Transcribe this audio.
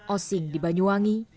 osing di banyuwangi